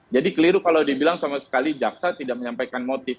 keliru kalau dibilang sama sekali jaksa tidak menyampaikan motif